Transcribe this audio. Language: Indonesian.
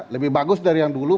lebih bagus dari yang dulu